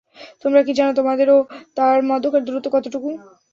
তোমরা কি জান, তোমাদের ও তার মধ্যকার দূরত্ব কতটুকু?